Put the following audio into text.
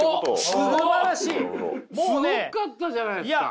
すごかったじゃないですか！